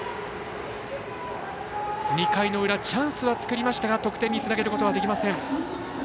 ２回の裏チャンスは作りましたが得点につなげることはできません。